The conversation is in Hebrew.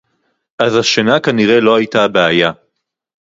אז השינה כנראה לא היתה הבעיה